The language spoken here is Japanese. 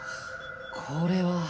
これは。